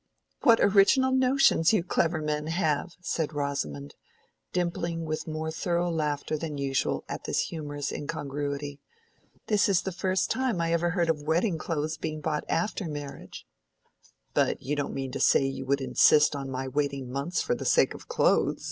"What original notions you clever men have!" said Rosamond, dimpling with more thorough laughter than usual at this humorous incongruity. "This is the first time I ever heard of wedding clothes being bought after marriage." "But you don't mean to say you would insist on my waiting months for the sake of clothes?"